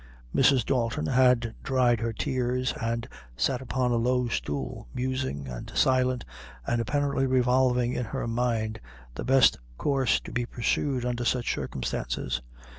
Mrs. Dalton had dried her tears, and sat upon a low stool musing and silent, and apparently revolving in her mind the best course to be pursued under such circumstances.